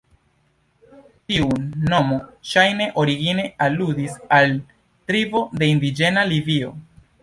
Tiu nomo ŝajne origine aludis al tribo de indiĝena Libio.